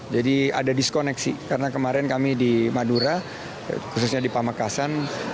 jadi ada diskoneksi karena kemarin kami di madura khususnya di pamekasan